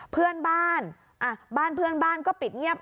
เพื่อนบ้านบ้านเพื่อนบ้านก็ปิดเงียบ